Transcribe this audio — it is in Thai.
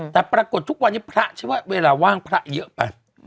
แต่ปรากฏทุกวันนี้พระฉันว่าเวลาว่างพระเยอะไป